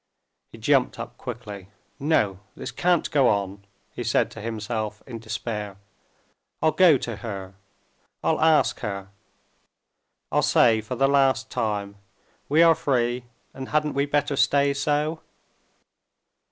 He jumped up quickly. "No, this can't go on!" he said to himself in despair. "I'll go to her; I'll ask her; I'll say for the last time: we are free, and hadn't we better stay so?